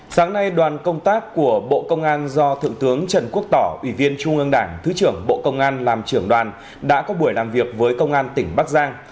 sáng nay đoàn công tác của bộ công an do thượng tướng trần quốc tỏ ủy viên trung ương đảng thứ trưởng bộ công an làm trưởng đoàn đã có buổi làm việc với công an tỉnh bắc giang